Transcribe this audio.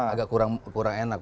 agak kurang enak